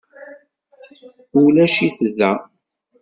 Ulac-it da.